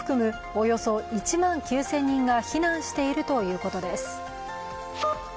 およそ１万９０００人が避難しているということです。